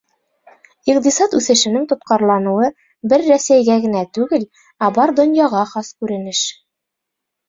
Иҡтисад үҫешенең тотҡарланыуы бер Рәсәйгә генә түгел, ә бар донъяға хас күренеш.